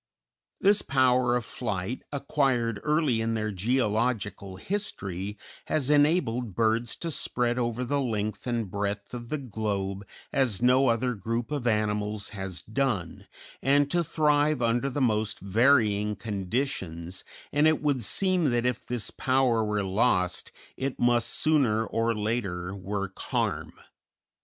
This power of flight, acquired early in their geological history, has enabled birds to spread over the length and breadth of the globe as no other group of animals has done, and to thrive under the most varying conditions, and it would seem that if this power were lost it must sooner or later work harm.